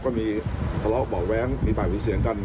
ก็มีทะเลาะเบาะแว้งมีปากมีเสียงกัน